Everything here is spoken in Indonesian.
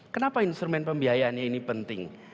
kenapa instrumen pembiayaannya ini penting